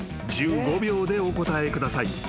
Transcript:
１５秒でお答えください］